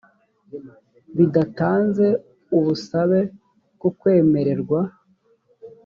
bidatanze ubusabe bwo kwemererwa